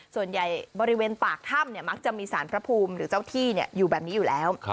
ส่วนใหญ่บริเวณปากถ้ำมักจะมีสารพระภูมิหรือเจ้าที่อยู่แบบนี้อยู่แล้ว